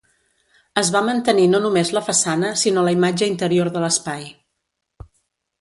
Es va mantenir no només la façana sinó la imatge interior de l'espai.